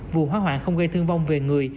vụ hóa hoạn không gây thương vong về người